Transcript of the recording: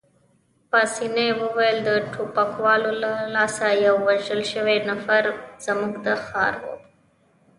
پاسیني وویل: د ټوپکوالو له لاسه یو وژل شوی نفر، زموږ د ښار وو.